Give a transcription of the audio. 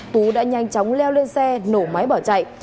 tú đã nhanh chóng leo lên xe nổ máy bỏ chạy